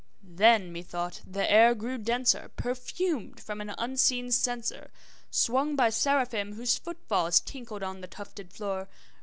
Then, methought, the air grew denser, perfumed from an unseen censer Swung by Seraphim whose foot falls tinkled on the tufted floor.